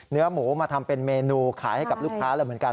เนื้อหมูมาทำเป็นเมนูขายให้กับลูกค้าแล้วเหมือนกัน